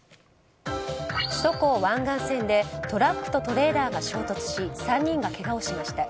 首都高湾岸線でトラックとトレーラーが衝突し、３人がけがをしました。